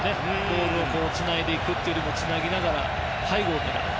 ボールをつないでいくというよりもつなぎながら背後を狙う。